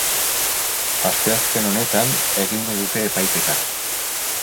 Asteazken honetan egingo dute epaiketa.